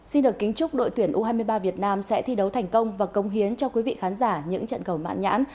xin được kính chúc đội tuyển u hai mươi ba việt nam sẽ thi đấu thành công và công hiến cho quý vị khán giả những trận cầu mạng nhãn